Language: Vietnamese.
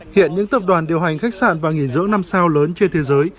hiện những tập đoàn điều hành khách sạn và nghỉ dưỡng năm sao lớn trên thế giới